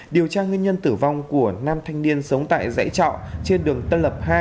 điều tra nguyên nhân tử vong của nam thanh niên sống tại dãy trọ trên đường tân lập hai